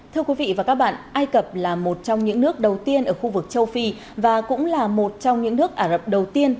thưa quý vị và các bạn ai cập là một trong những nước đầu tiên ở khu vực châu phi và cũng là một trong những nước ả rập đầu tiên